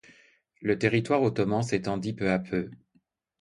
Le territoire ottoman s’étendit peu à peu.